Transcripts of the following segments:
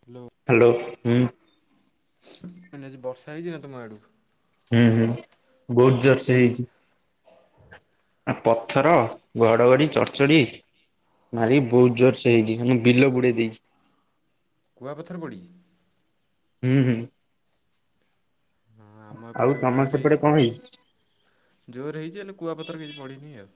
Hello. Hello ହୁଁ। ମାନେ ବର୍ଷା ହେଇଛି ନା ତମ ଆଡ଼େ? ହୁଁ ହୁଁ ବହୁତ ଜୋରସେ ହେଇଛି। ଆ ପଥର ଘଡଘଡି ଚର ଚର ଚଡ଼ି ଭାରି ବହୁତ ଜୋରସ ହେଇଛି ବିଲ ବୁଡେଇ ଦେଇଛି। କୁଆପଥର ପଡ଼ିଛି? ହୁଁ ହୁଁ। ହଁ ଆମ ଆଉ ଏପଟରେ ବି ତମ ଜୋର ସେପଟେ କଣ ହେଇଛି ଜୋର ହେଇଛି ହେଲେ କୁଆପଥର କିଛି ପଡ଼ିନି ଆଉ।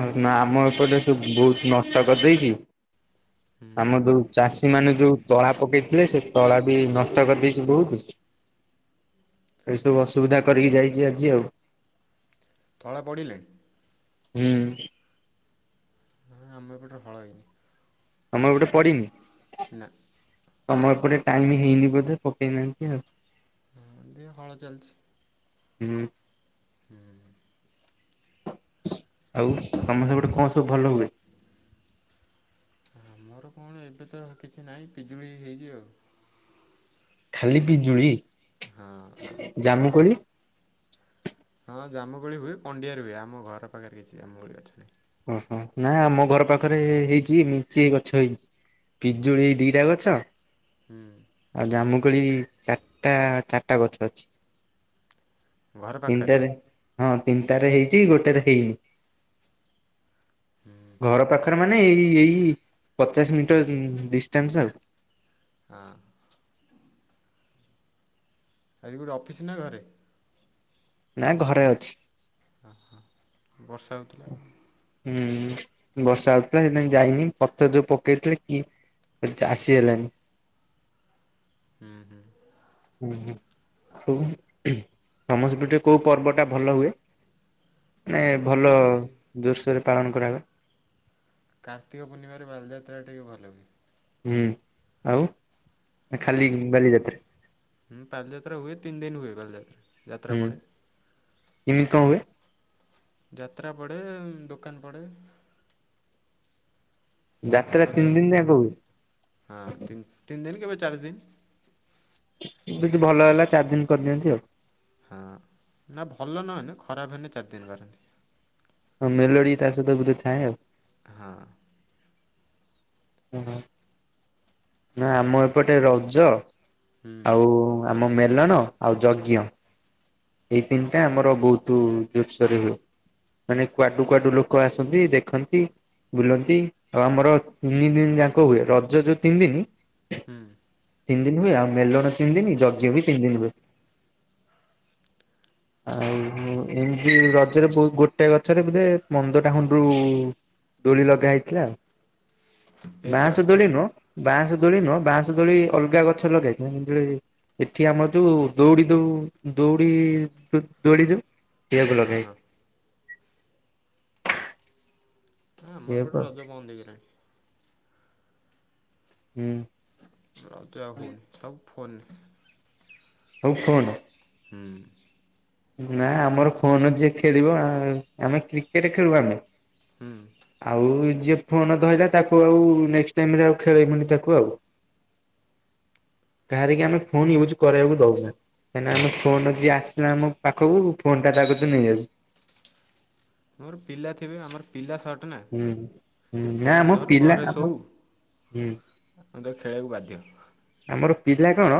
ହ ନା ଆମ ଏପଟେ ସବୁ ବହୁତ ନଷ୍ଟ କରିଦେଇଛି ହୁଁ ଆମର ଯୋଉ ଚାଷୀ ମାନେ ଯୋଉ ତଳା ପକେଇଥିଲେ ସେ ତଳା ବି ନଷ୍ଟ କରିଦେଇଛି ବହୁତ ଏ ସବୁ ଅସୁବିଧା କରିକି ଯାଇଛି ଆଜି ଆଉ। ତଳା ପଡ଼ି ନାହିଁ। ହୁଁ। ନାଁ ଆମ ପଟେ ହଏ। ତମ ପଟେ ପଡିିନି। ନା। ତମ ଏପଟେ ହେଇନି ବୋଧେ ପକେଇ ନାହାନ୍ତି ଆଉ। ହଁ ଏମିତି ହଳ ଚାଲିଛି। ହୁଁ। ହୁଁ ହୁଁଁ। ଆଉ ତମ ସେପଟେ କଣ ସବୁ ଭଲ ହୁଏ? ଆମର କଣ ତ ଏବେ କିଛି ନାହିଁ ପିଜୁଳି ହେଇଚି ଆଉ। ଖାଲି ପିଜୁଳି। ହଁ ଆଉ କଣ? ମୁଁ କହିଲି ହଁ ଜାମୁକଳି ହୁଏ ପଣ୍ଡିଆରେ ହୁଏ ଆମ ଘର ପାଖରେ କିଛି ଜାମୁକୋଳି ଗଛ ନାହିଁ। ଓହୋ ନା ଆମ ଘର ପାଖରେ ହେଇଛି ଲିଚି ଗଛ ହେଇଛି। ପିଜୁଳି ଦିଟା ଗଛ। ହୁଁ। ଆଉ ଜାମୁକଳି ଚାରିଟା ଚାରିଟା ଗଛ ଅଛି। ଘର ପାଖରେ ତିନିଟାରେ ହଁ ତିନିଟାରେ ହେଇଛି ଗୋଟୋରେ ହେଇନି। ହୁଁ ହୁଁ ଘର ପାଖରେ ମାନେ ଏଇ ଏଇ ପଚାଶ ମିଟର ଡିଷ୍ଟାନ୍ସ ଆଉ ହଁ। ଆଜି ଗୋଟେ ଅଫିସ ନା ଘରେ? ନା ଘରେ ଅଛି। ଓହୋ ବର୍ଷା ହଉଥିଲା ଆଉ। ହୁଁ ବର୍ଷା ହଉଥିଲା ସେଥିପାଇଁ ଯାଇନି ପଥର ଯୋଉ ପକେଇଥିଲେ କି? ଆସି ହେଲାଣି। ହୁଁ ହୁଁ। ହୁଁ ହୁଁ ହୁ ତମ ସେପଟେ କୋଉ ପର୍ବଟା ଭଲ ହୁଏ। ମାନେ ଆମର ଭଲ ଏଠି ଦୃଶ୍ୟରେ ପାଳନ କରାହେଲା। କାର୍ତ୍ତିକ ପୂର୍ଣିମାରେ ବାଲିଯାତ୍ରା ଟିକେ ଭଲ ହୁଏ। ହୁଁ ଆଉ ଖାଲି ଆଉ ବାଲିଯାତ୍ରା ହଁ ବାଲିଯାତ୍ରା ହୁଏ ତିନି ଦିନ ହୁଏ ବାଲିଯାତ୍ରା? ଯାତ୍ରା ହୁଁ ପଡ଼େ। କିମିତ ହୁଏ। ଯାତ୍ରା ପଡ଼େ ଦୋକାନ ପଡ଼େ ଯାତ୍ରା ସକାଳୁ ସକାଳୁ ତିନି ଦିନ ଯା କହୁଛି ହଁ ତିନ ଦିନ କେବୋଇ ଚାରି ଦିନ ଯିଦି ଭଲ ହେଲା ଚାରି ଦିନ କରିଦିଅନ୍ତି ଆଉ ହଁ ନା ଭଲ ନହେନ ଖରାପ ହେନି ଚାରିଦିନ କରାରନ୍ତି ଆଉ ମେଲୋଡ଼ି ତା ସହିତ ବୋଧେ ଥାଏ ଆଉ ହଁ ହୁଁ ହୁଁ ନା ଆମ ଏପଟେ ରଜ ହୁଁ ଆଉ ଆମ ମେଲଣ ଆଉ ଯଜ୍ଞ ଏଇ ତିନିଟା ଆମର ବହୁତ ଜୋରସୋରେ ହୁଏ ମାନେ କୁଆଡୁ କୁଆଡୁ ଲୋକ ଆସନ୍ତି ଦେଖନ୍ତି ବୁଲନ୍ତି ଆଉ ଆମର ତିନି ଦିନ ଯାକ ହୁଏ ରଜ ଯୋଉ ତିନି ଦିନ ହୁଁ ତିନ ଦିନ ହୁଏ ଆଉ ମଲ ନା ତିନ ଦିନ ଜଗ ଜି ବି ତିନ ଦିନ ହୁଏ ଆଉ ଏମିତି ରଜରେ ବହୁ ଗୋଟେ ଗଛରେ ବୋଧେ ମନ୍ଦ ଟା ହଣ୍ଡରୁ ଦୋଳି ଲଗା ହେଇଥିଲା ଆଉ ଏଇଥର ବାଁଶ ଦୋଳି ନୁ ବାଁଶ ଦୋଳି ନୁହଁ ବାଁଶ ଦୋଳି ଅଲଗା ଗଛ ଲଗେଇକ ଏଠି ଆମର ଯୋଉ ଦଉଡି ଦଉ ଦଉଡି ଦୌଡି ଯୋଉ ସେଇଆକୁ ହଁ ଲଗା ହଁ ହଁ ଆମର ସେଇଆକୁ ଏପଟେ ଆଉ। ରଜ ବନ୍ଦ ହେଇଗଲାଣି ହୁଁ ତ ହୁନ ସବ ଫୋନ ହଉ କହଣ। ହୁଁ। ନା ଆମର ଫୋନ ଯିଏ ଖେଳିବ ଆମେ କ୍ରିକେଟ ଖେଳୁ ଆମେ। ହୁଁ। ଆଉ ଯିଏ ଫୋନ ଧଇିଲା ତାକୁ ଆଉ ନେକ୍ସଟ୍ ଟାଇମ୍ ରେ ଆଉ ଖେଳେଇମୁନି ତାକୁ ଆଉ। କାହାରକି ଆମେ ଫୋନ ୟୁଜ୍ କରିବାକୁ ଦଉନା କାହିଁକି ଆମ ଫୋନ ଯିଏ ଆସିଲା ଆମ ପାଖକୁ ଫୋନ୍ ଟା ତାକତି ରୁ ନେଇ ଆସୁ। ମୋର ପିଲା ଥିବେ ଆମର। ପିଲା ସଟ୍ ନା ହୁଁ ହୁଁ ସେ ନା ଫୋନ୍ ଆମ ଧରୁ ପିଲା ଘରେ ଆମ ଶୋଉ। ହୁଁ। ହଁ ତ ଖେଳିବାକୁ ବାଧ୍ୟ। ଆମର ପିଲା କଣ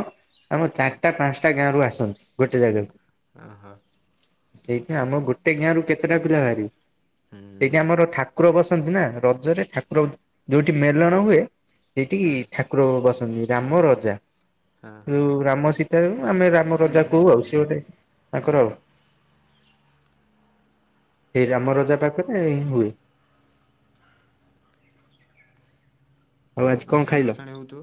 ଆମ ଚାରିଟା ପାଞ୍ଚଟା ଗାଁ ରୁ ଆସନ୍ତି ଗୋଟେ ଜାଗାକୁ। ଓହୋ ସେଇଠା ଆମ ଗୋଟେ ଗାଁରୁ କେତେଟା ପିଲା ଭାରିବେ। ହୁଁ ସେଇଠି ଆମର ଠାକୁର ବସନ୍ତି ନା ରଜରେ ଠାକୁର ଯୋଉଠି ମେଲଣ ହୁଏ। ସେଇଠିକି ହଁ ଠାକୁର ବସନ୍ତି ରାମ ରଜା। ହଁ ହଁ ଯଉ ରାମ ସୀତାଉ ଆମେ ରାମ ହୁଁ ରଜା ହୁଁ କହୁ ଆଉ ହୁଁ ସଏ ଗୋଟେ ତାଙ୍କର ଆଉ। ସେଇ ଓ ଆମ ରଜା ପାଖରେ ହୁଏ। ହଉ ଆଜି କଣ ଭସାଣି ଖାଇଲ। ଭସାଣି ହେଉଥିବ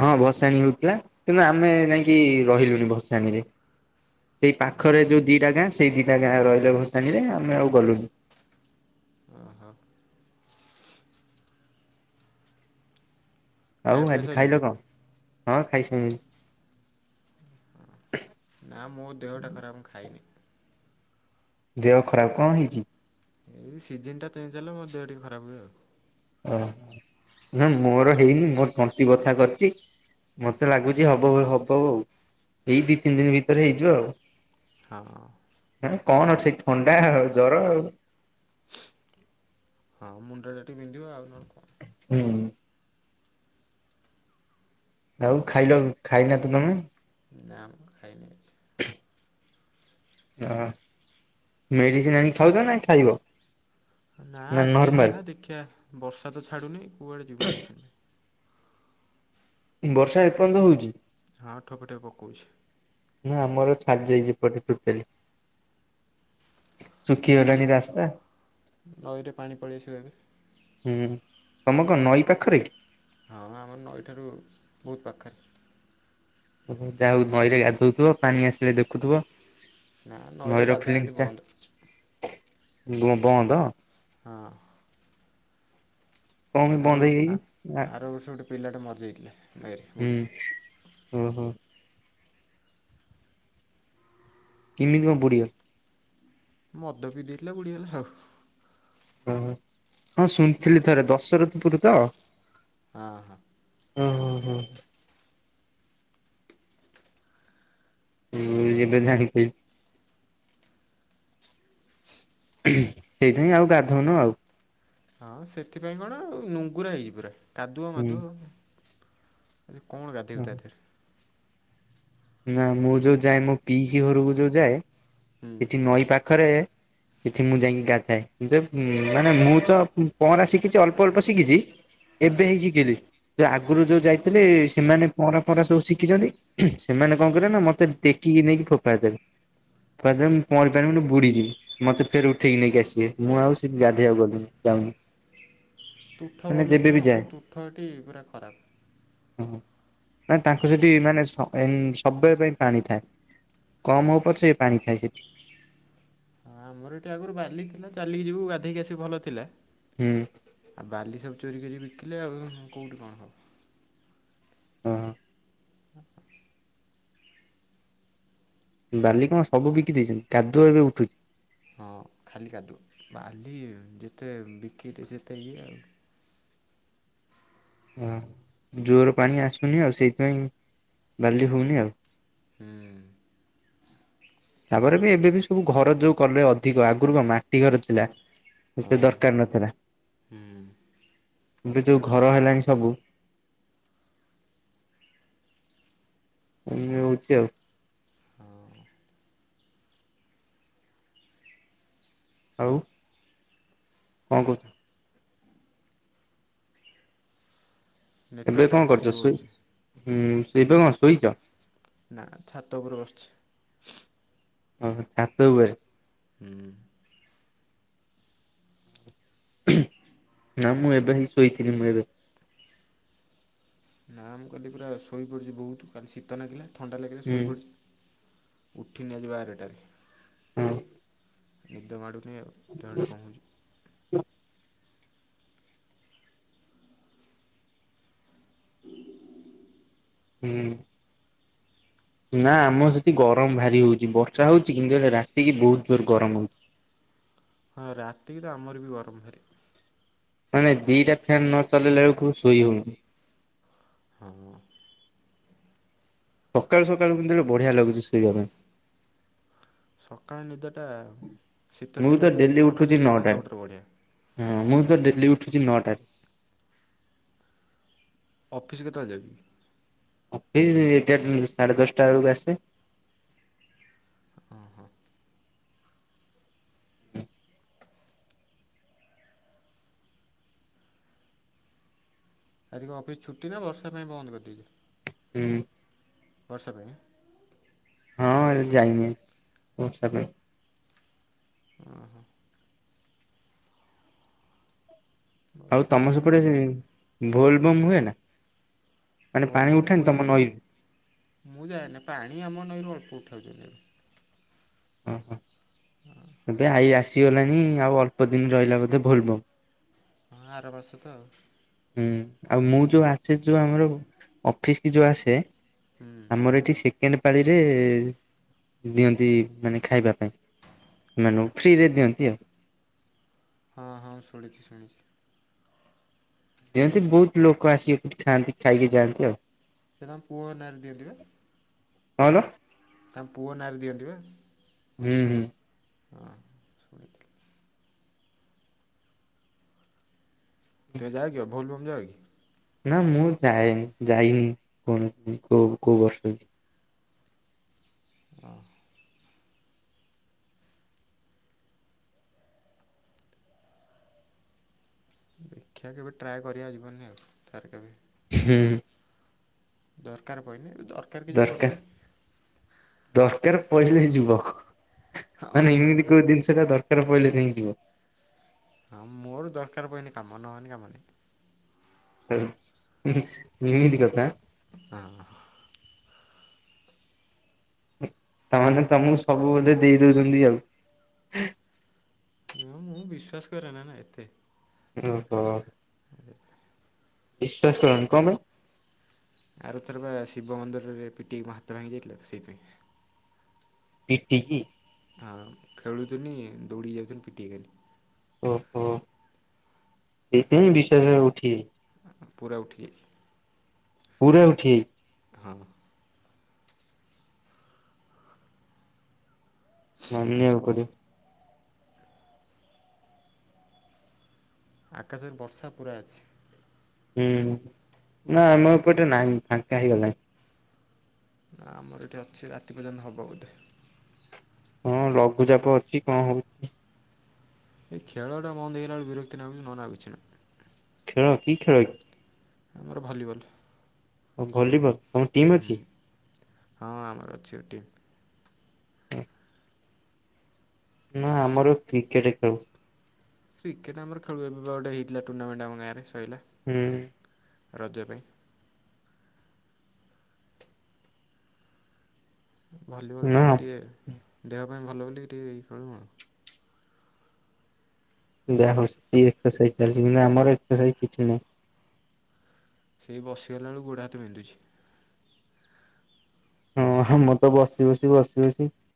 ହଁ ଭସାଣିୀ ହଉଥିଲା କିନ୍ତୁ ଆମେ ଯାଇକି ରହିଲୁନି ଭସାଣିୀରେ। ସେଇ ପାଖରେ ଯୋଉ ଦିଟା ଗାଁ ସେଇ ଦିଟା ଗାଁ ରହିଲ ଭସାଣି ରେ ଆମେ ଆଉ ଗଲୁନି। ଓହୋ। ଖାଇବା ଆଉ ପିଇବା ଆଜି ସରିଲାଣି ଖାଇଲ କଣ ହଁ ଖାଇସାଇଲିନି। ନା ମୋ ଦେହଟା ଖରାପ ଖାଇନି। ଦେହ ଖରାପ କଣ ହେଇଛି। ଏଇ ସିଜନ ଟା ଚେଞ୍ଜ ହେଲେ ମୋ ଦେହ ଟିକେ ଖରାପ ହୁଏ ଆଉ। ଓୋ ନା ମୋର ହେଇନି ମୋର ତଣ୍ଟି ବଥା କରିଛି। ମତେ ଲାଗୁଛି ହବ ହବ ଆଉ ଏଇ ଦି ତିନି ଦିନ ଭିତରେ ହେଇଯିବ ଆଉ। ହଁ। ହ କଣ ଅଛି ଥଣ୍ଡା ଆଉ ଜର ଆଉ। ହଁ ମୁଣ୍ଡ ଟା ଟିକେ ବିନ୍ଧିବ ଆଉ ନ ହେଲେ କଣ। ହୁଁ। ଆଉ ଖାଇଲ ଖାଇନା ତ ତମେ। ନାମ ଖାଇନି କିଛି। ହ ମେଡ଼ିସିନ ଆଣିି ଖାଉଛ ନା ଖାଇବ। ନା ଆଜି ହେଲା ଦେଖିବା ବର୍ଷା ତ ଛାଡୁନି କୁଆଡେ ଯିବୁ ମେଡିସିନ। ବର୍ଷା ଏପର୍ଯ୍ୟନ୍ତ ହଉଛି। ହଁ ଠୋପେ ଠୋପେ ପକଉଛି। ନା ଆମର ଛାଡି ଯାଇଛି ଏପଟେ ତୋଟାଲୀ। ଆ ଶୁଖିଗଲାଣି ରାସ୍ତା ନଈରେ ପାଣି ପଳେଇଆସିବ ଏବେ। ହୁଁ ତମ କଣ ନଈ ପାଖରେ କି। ହ ଆମର ନଇଠାରୁ ବହୁତ ପାଖରେ। ଯାହାଉ ନଈରେ ଗାଧଉଥିବ ପାଣି ଆସିଲେ ଦେଖୁଥିବ। ନା ନଈରେ ନଈର ଗାଧା ଗାଧି ଫିଲିଂସ୍ ବନ୍ଦ ଟା ବନ୍ଦ। ହଁ। କଣ ପାଇଁ ଆର ବନ୍ଦ ହେଇଯାଇଛି? ଆର ବର୍ଷ ଗୋଟେ ପିଲାଟେ ମରି ଯାଇଥିଲା। ହୁଁ ହଁ ହୋ। କେମିତି କଣ ବୁଡିବ? ମଦ ପିଇ ଦେଇଥିଲା ବୁଡିଗଲା ଆଉ। ଓୋ ହଁ ଶୁଣିଥିଲି ଥରେ ଦଶରଥପୁର ତ? ହଁ ହଁ। ହୁଁ ହୁଁ ହୁଁ। ହଁ ଯେବେ ଜାଣିପାଇଲି। ସେଇଥିପାଇଁ ଆଉ ଗାଧଉନୁ ଆଉ। ହଁ ସେଥିପାଇଁ କଣ ଆଉ ନୁଙ୍ଗୁରା ହେଇଛି ପୁରା କାଦୁଅ ହୁଁ ମାଦୁଅ। ଆରେ କଣ ଗାଧେଇବୁ ଓହୋ। ତାଦେହେରେ। ନା ମୁଁ ଯୋଉ ଯାଏ ମୋ ପିଇସି ଘରକୁ ଯୋଉ ଯାଏ ହୁଁ ସେଠି ନଈ ପାଖରେ, ସେଠି ମୁଁ ଯାଇକି ଗାଧାଏ, କି ମାନେ ମୁଁ ତ ପହଁରା ଶିଖିଛି ଅଳ୍ପ ଅଳ୍ପ ଶିଖିଛି। ହଁ ଏବେ ହିଁ ଶିଖିଲି ଯଉ ଆଗରୁ ଯୋଉ ଯାଇଥିଲି ସେମାନେ ପହଁରା ଫହରା ସବୁ ଶିଖିଛନ୍ତି। ସେମାନେ କଣ କରିବେ ନା ମୋତେ ଟେକିକି ନେଇକି ଫୋପାଡି ଦେବେ, ଫୋପାଡି ଦେଲେ ମୁଁ ପହଁରି ପାରିବିନି ବୁଡ଼ିଯିବି। ମତେ ଫେର ଉଠେଇକି ନେଇକି ଆସିବେ ମୁଁ ଆଉ ସେଠି ଗାଧେଇଆବାକୁ ଗଲିନି ଯାଉନି। ତୁଠ ମାନେ ଭଲ ଯେବେ ଥିବ ବି ଯାଏ ଆମର ତୁଠ ଏଟି ପୁରା ଖରାପ। ଓ ନା ତାଙ୍କୁ ସେଠି ମାନେ ଏ ସବୁବେଳେ ପାଇଁ ପାଣି ଥାଏ କମ ହଉ ପଛେ ପାଣି ଥାଏ ସେଠି। ହଁ ଆମର ଏଠି ଆଗରୁ ବାଲି ଥିଲା ଚାଲିକି ଯିବୁ ଗଧେଇକି ଆସିି ଭଲ ଥିଲା। ହୁଁ ଆଉ ବାଲି ସବୁ ଚୋରି କରି ବିକିଲେ ଆଉ କଉଁଠି କଣ ହେବ। ହଁ। ବାଲି କଣ ସବୁ ବିକି ଦେଇଛନ୍ତି କାଦୁଅ ଏବେ ଉଠୁଛି? ହଁ ଖାଲି କାଦୁଅ ବାଲି ଯେତେ ବିକିଲେ ସେତେ ଇଏ ଆଉ। ହଁ ଜୋର ପାଣି ଆସୁନି ଆଉ ସେଇଥିପାଇଁ ବାଲି ହଉନି ଆଉ। ହୁଁ ତାପରେ ବି ଏବେବି ସବୁ ଘର ଯୋଉ କଲେ ଅଧିକ ଆଗରୁ କଣ ମାଟି ଘର ଥିଲା। ଏତେ ହଁ ଦରକାର ନଥିଲା ହୁଁ ଏବେ ଯୋଉ ଘର ହେଲାଣି ସବୁ। କମି ହଉଛି ଆଉ। ହଁ। ଆଉ? କଣ କହୁଛ? ଏବେ ନେଟୱାର୍କଟା କଣ ଟିକେ କରୁଛ ସ୍ଲୋ ଶୋଇ ଅଛି ଏବେ କଣ ଶୋଇଛ? ନା ଛାତ ଉପରେ ବସିଛି। ଓହୋ ଛାତ ଉପରେ? ହୁଁ। ନା ମୁଁ ଏବେ ହିଁ ଶୋଇଥିଲି ମୁଁ ଏବେ। ନା ମୁଁ କାଲି ପୁରା ଶୋଇପଡ଼ିଛି ବହୁତ କାଲି ଶୀତ ଲାଗିଲା ଥଣ୍ଡା ଲାଗିଲା ହୁଁ ଶୋଇପଡ଼ିଛି। ଉଠିଲି ଆଜି ବାରଟାରେ। ହୁଁ। ନିଦ ମାଡ଼ୁନି ଆଉ ଦିନଟା କମୁଛି। ହୁଁ। ନା ଆମ ସେଠି ଗରମ ଭାରି ହଉଛି ବର୍ଷା ହଉଛି କିନ୍ତୁ ହେଲେ ରାତିକି ବହୁତ ଜୋରରେ ଗରମ ହଉଛି। ହଁ ରାତିକି ତ ଆମର ବି ଗରମ ଭାରି। ମାନେ ଦିଟା ଫ୍ୟାନ ନଚଲେଇଲା ବେଳକୁ ଶୋଇ ହଉନି। ହଁ। ସକାଳୁ ସକାଳୁ କିନ୍ତୁ ବଢିଆ ଲାଗୁଛି ଶୋଇବା ପାଇଁ। ସକାଳ ନିଦଟା ଶୀତ ମୁଁ ତ ଦିନରେ ଡେଲି ଯେଉଁ ସକାଳ ଉଠୁଛି ନିଦଟା ନଅଟାରେ ସବୁଠାରୁ ବଢ଼ିଆ। ହଁ ମୁଁ ତ ଡେଲି ଉଠୁଛି ନଅଟାରେ। ଅଫିସ୍ କେତେବେଳେ ଯାଉଛୁ? ଅଫିସ ଏଗାରଟା ସାଢେ ଦଶଟା ବେଳକୁ ଆସେ। ହଁ ହଁ। ଆଜି କଣ ଅଫିସ୍ ଛୁଟି ନା ବର୍ଷା ପାଇଁ ବନ୍ଦ କରିଦେଇଛୁ? ହୁଁ, ବର୍ଷା ପାଇଁ, ହଁ ଯାଇନି [unintelligible] ହଁ ହଁ, ଆଉ ବର୍ଷା ତମ ଏବେ ବି ସେପଟେ ଅଛି। ଭୋଲ ବମ ହୁଏ ନା? ମାନେ ପାଣି ଭଲ୍ୟୁମ୍ ଉଠାନ୍ ହୁଏ ତମ ନଈରୁ? ମୁଁ ଯାଏନି ପାଣି ଆମ ନଈରୁ ଅଳ୍ପ ଉଠାଉଛନ୍ତି। ଓହୋ ଏବେ ଆଇ ଆସିଗଲାଣି ଆଉ ଅଳ୍ପ ଦିନ ରହିଲା ବୋଧେ ଭୁଲ ବମ୍, ହଁ ଆର ବର୍ଷକ ଆଉ, ହୁଁ ଆଉ ମୁଁ ଯୋଉ ଆସେ ଯୋଉ ଆମର ଅଫିସ୍ କି ଯୋଉ ଆସେ, ହୁଁ, ଆମର ଏଠି ସେକେଣ୍ଡ ପାଳିରେ ଦିଅନ୍ତି ମାନେ ଖାଇବା ପାଇଁ, ମାନଙ୍କୁ ଫ୍ରି ରେ ଦିଅନ୍ତି ଆଉ, ହଁ ହଁ ଶୁଣିଛି ଶୁଣିଛି, ଯେମତି ବହୁତ ଲୋକ ଆସିକି ଏଠି ଖାଆନ୍ତି ଖାଇକି ଯାଆନ୍ତି ଆଉ। ସେଇଟା ପୁଅ ନାଁରେ ଦିଅନ୍ତି ବା? ହଁ ନ ତା ପୁଅ ନାଁରେ ଦିଅନ୍ତି ବା, ହୁଁ ହୁଁ, ହଁ, ଶୁଣିଥିଲି। ତେ ଯାଇକି ଭଲବୁମ ଯାଇକ କି, ନା ମୁଁ ଯାଏନି ଯାଇନି କୌଣସି କୋଉ-କୋଉ ବର୍ଷ ବି, ହଁ, ଶିକ୍ଷା କେବେ ଟ୍ରାଏ କରିବାକୁ ଯିବନି ଆଉ ସାର୍ କେବେ, ହୁଁ, ଦରକାର ପଳିଲେ ଦର- ଦରକାର ଦରକାର ପହିଲେ ଯିବ, ହଁ ମାନେ ଆଉ ଏମିତି ନହେଲେ କୋଉ କାଇଁ ଜିନିଷ ଟା ଦରକାର ପଡ଼ିଲେ ଯାଇଁକି ଯିବ, ହଁ ମୋର ଦରକାର ପନି କାମ ନ ହେଲେ କାମ ନି, [unintelligible] ହୁଁ ହୁଁ ହୁଁ ଏଇଦିଟା ପରା, ହଁ, ତାମାନେ ତମକୁ ସବୁ ବୋଧେ ଦେଇ ଦଉଛନ୍ତି ଆଉ। ନା ମୁଁ ବିଶ୍ଵାସ କରେନା ନା ଏତେ। ଓହୋ। ବିଶ୍ଵାସ କରନି କଁ ପାଇଁ? ଆରଥର ବା ଶିବ ମନ୍ଦିରରେ ପିଟିହେଇକି ମୋ ହାତ ଭାଙ୍ଗି ଯାଇଥିଲା, ତ ସେଇଥିପାଇଁ। ପିଟିକି? ହଁ ଖେଳୁଥିନି, ଦୌଡ଼ିକି ଯାଉଥିଲି ପିଟି ହେଇଗଲି। ଓହୋ। ସେଇଥିପାଇଁ ବିଶ୍ୱାସ ଉଠି ପୁରା ଉଠିଯାଇଛି। ପୁରା ଉଠିଯାଇଛି? ହଁ। ମାନିଆକୁ ପଡ଼ିବ। ଆକାଶରେ ବର୍ଷା ପୁରା ଅଛି। ହୁଁ। ନାଁ ଆମ ଏପଟେ ନାହିଁ, ଫାଙ୍କା ହେଇଗଲାଇଁ। ଆମର ଏଇଠି ଅଛି ରାତି ପର୍ଯ୍ୟନ୍ତ ହବ ବୋଧେ। ହଁ ଲଘୁଚାପ ଅଛି, କଣ ହଉଛି? ଏଇ ଖେଳଟା ବନ୍ଦ ହେଇଗଲା ବେଳକୁ ବିରକ୍ତି ଲାଗୁଛି, ନାହେନେ ଆଉ କିଛି ନାହିଁ। ଖେଳ, କି ଖେଳ କି? ମୋର ଭଲିବଲ୍। ଓ ଭଲିବଲ। ତମର ଟିମ୍ ଅଛି? ହୁଁ ହଁ ଆମର ଅଛି ବା ଟିମ। ନାଁ ଆମର କ୍ରିକେଟ ଖେଳୁ। କ୍ରିକେଟ ଆମର ଖେଳୁ, ଏବେ ବା ଗୋଟେ ହେଇଥିଲା ଟୁର୍ଣ୍ଣାମେଣ୍ଟ ଆମ ଗାଁରେ ସଇଲା। ହୁଁ। ରଜ ପାଇଁ। ଭଲିବଲଟା ନା ଟିକିଏ ଦେହ ପାଇଁ ଭଲ ବୋଲି ଟିକିଏ ଖେଳୁ ଆଉ। ଯାହାହଉ ଯିଏ ଏକ୍ସରସାଇଜ ଚାଲିଚି କିନ୍ତୁ ଆମର ଏକ୍ସରସାଇଜ କିଛି ନାହିଁ। ସେଇ ବସିଗଲା ବେଳକୁ ଗୋଡ଼ ହାତ ବିନ୍ଧୁଛି। ହଁ, ଆମର ତ ବସି, ବସି, ବସି, ବସି